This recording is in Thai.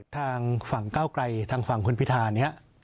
ทางฝั่งก้าวไกลทางฝั่งคุณพิธานี้